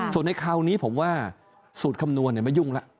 ส่วนในคราวนี้ผมว่าสูตรคำนวณไม่ยุ่งแล้ว